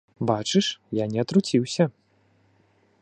Бачыш, я не атруціўся.